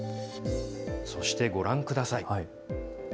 そしてご覧ください。